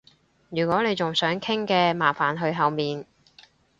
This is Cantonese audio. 如果你仲想傾嘅，麻煩去後面